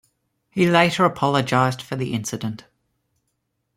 He later apologized for the incident.